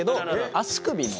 足首の。